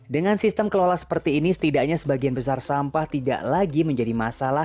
dengan sistem kelola seperti ini setidaknya sebagian besar sampah tidak lagi menjadi masalah